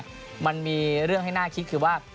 ถึงมันมีเรื่องไข้หน้าคิดคือว่า